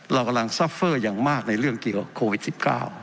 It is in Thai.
เรากำลังซัฟเฟอร์อย่างมากในเรื่องเกี่ยวกับโควิด๑๙